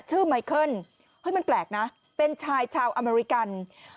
ไมเคิลเฮ้ยมันแปลกนะเป็นชายชาวอเมริกัน